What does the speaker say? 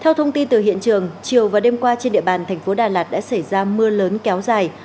theo thông tin từ hiện trường chiều và đêm qua trên địa bàn thành phố đà lạt đã xảy ra mưa lớn kéo dài